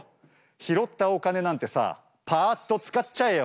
拾ったお金なんてさパッと使っちゃえよ。